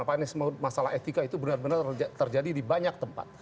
apa yang disebut masalah etika itu benar benar terjadi di banyak tempat